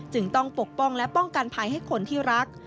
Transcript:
จึงต้องปกป้องและป้องกันภัยให้คนที่รัก